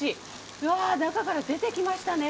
うわー、中から出てきましたね。